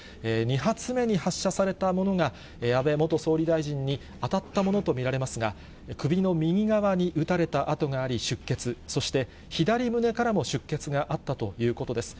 ２発目に発射されたものが、安倍元総理大臣に当たったものと見られますが、首の右側に撃たれた痕があり、出血、そして左胸からも出血があったということです。